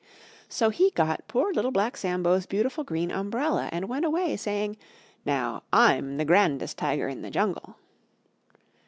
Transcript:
So he got poor Little Black Sambo's beautiful Green Umbrella, and went away saying, "Now I'm the grandest Tiger in the Jungle."